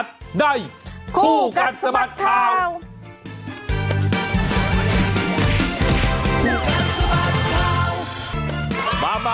ในคู่กัดสะบัดข่าว